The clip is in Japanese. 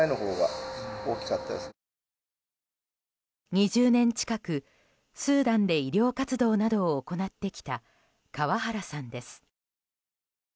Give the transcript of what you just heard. ２０年近く、スーダンで医療活動などを行ってきた川原さんです。